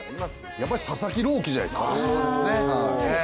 やっぱり佐々木朗希じゃないですか。